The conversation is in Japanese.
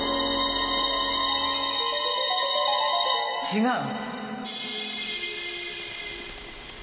違う！